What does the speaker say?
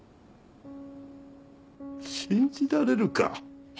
信じられるか？